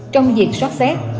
trong việc soát xét